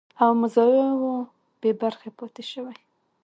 او مزایاوو بې برخې پاتې شوي